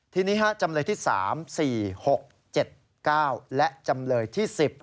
ทีนี้จำเลยที่๓๔๖๗๙และจำเลยที่๑๐